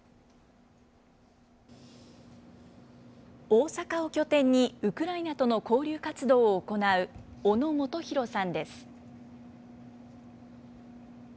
大阪を拠点にウクライナとの交流活動を行う小野元裕さんです。